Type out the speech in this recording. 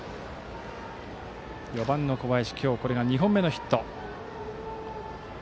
４番の小林は今日これで２本目のヒット。